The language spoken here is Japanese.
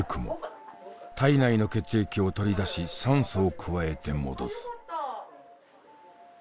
体内の血液を取り出し酸素を加えて戻す。